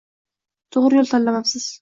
To'g'ri yo'l tanlamabsiz.